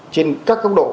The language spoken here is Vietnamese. trên các cấp độ